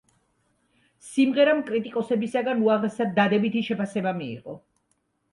სიმღერამ კრიტიკოსებისგან უაღრესად დადებითი შეფასება მიიღო.